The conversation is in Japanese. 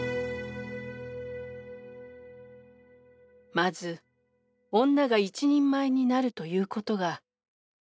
「まず女が一人前になるということが出発点なんです」。